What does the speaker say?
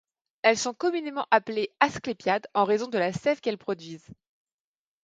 Elles sont communément appelées asclépiades en raison de la sève qu'elles produisent.